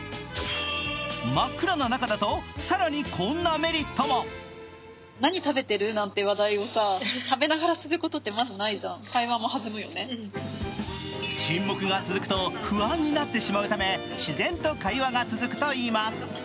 真っ暗な中だと更にこんなメリットも。沈黙が続くと不安になってしまうため、自然と会話が続くといいます。